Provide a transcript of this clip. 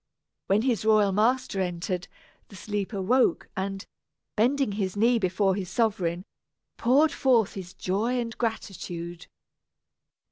When his royal master entered, the sleeper woke and, bending his knee before his sovereign, poured forth his joy and gratitude.